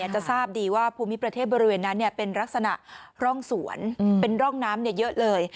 จะทราบดีว่าภูมิประเทศบริเวณนั้นเป็นลักษณะร่องสวนเป็นร่องน้ำเยอะเลย